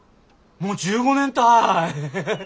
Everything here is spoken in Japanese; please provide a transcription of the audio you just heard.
もう１５年たい！